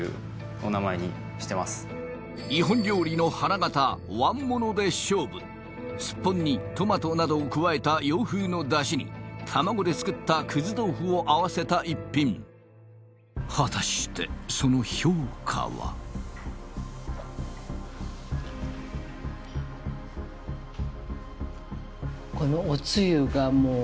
お名前にしてますスッポンにトマトなどを加えた洋風のダシに卵で作った葛豆腐を合わせた一品果たしてその評価はこのおつゆがもう本当においしいです